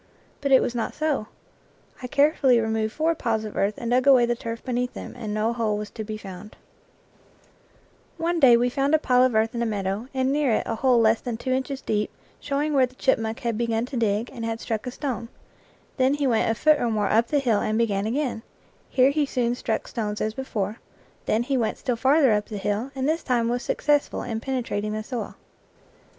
But it was not so. I carefully removed four piles of earth and dug away the turf beneath them, and no hole was to be found. 77 IN FIELD AND WOOD One day we found a pile of earth in a meadow, and near it a hole less than two inches deep, showing where the chipmunk had begun to dig and had struck a stone; then he went a foot or more up the hill and began again; here he soon struck stones as before, then he went still farther up the hill, and this time was successful in penetrating the soil.